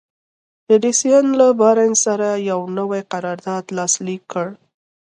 ايډېسن له بارنس سره يو نوی قرارداد لاسليک کړ.